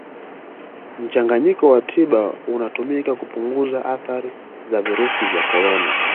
Mchanganyiko wa tiba unatumika kupunguza athari za virusi vya Corona